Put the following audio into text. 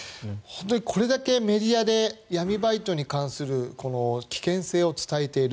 本当にこれだけメディアで闇バイトに関する危険性を伝えている。